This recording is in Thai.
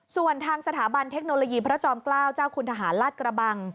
ส่วนทางสถาบันเทคโนโลยีพระจอมเกล้าเจ้าคุณทหารลาดกระบัง